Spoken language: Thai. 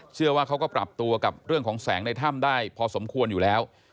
เขาก็ปรับตัวกับเรื่องของแสงในถ้ำได้พอสมควรอยู่แล้ว